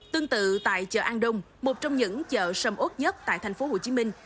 tương tự tại chợ an đông một trong những chợ sầm ốt nhất tại thành phố hồ chí minh